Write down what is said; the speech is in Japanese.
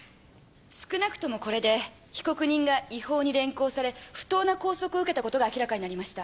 少なくともこれで被告人が違法に連行され不当な拘束を受けたことが明らかになりました。